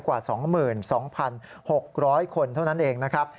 กว่า๒๒๖๐๐คนเท่านั้นเองนะครับ